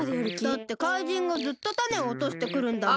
だって怪人がずっとタネをおとしてくるんだもん。